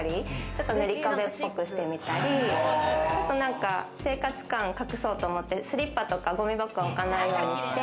ちょっと生活感を隠そうと思って、スリッパとかごみ箱とかを置かないようにして。